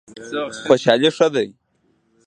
خوشحالي ښه دی.